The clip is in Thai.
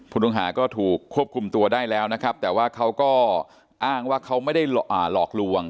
ผู้ต้องหาก็ถูกควบคุมตัวได้แล้วนะครับแต่ว่าเขาก็อ้างว่าเขาไม่ได้หลอกลวง